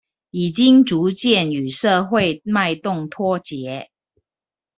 已經逐漸與社會脈動脫節